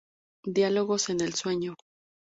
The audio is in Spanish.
Diálogos en el sueño.